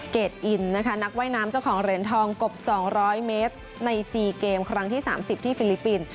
เกรดอินนะคะนักว่ายน้ำเจ้าของเหรียญทองกบ๒๐๐เมตรใน๔เกมครั้งที่๓๐ที่ฟิลิปปินส์